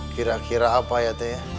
kira kira apa ya teh ya